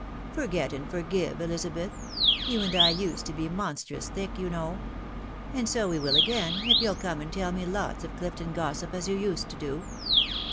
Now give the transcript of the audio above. Forget and forgive, Elizabeth ! you and I used to be monstrous thick, you know ; and so we wiH again, if you'll come and tell me lots of Chfton gossip, as you used to do.